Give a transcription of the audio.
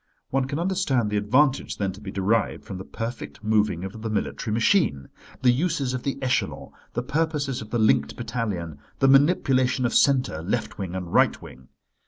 One can understand the advantage then to be derived from the perfect moving of the military machine; the uses of the echelon, the purposes of the linked battalion, the manipulation of centre, left wing and right wing.